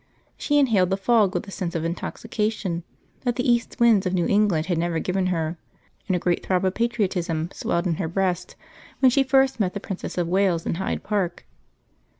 She inhaled the fog with a sense of intoxication that the east winds of New England had never given her, and a great throb of patriotism swelled in her breast when she first met the Princess of Wales in Hyde Park.